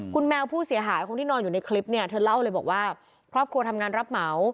คุณแมวผู้เสียหายคนที่นอนอยู่ในคลิปเนี่ยเธอเล่าเลยบอกว่าครอบครัวทำงานรับเหมา